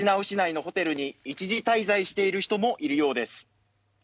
市内のホテルに一時滞在している人もいるようです。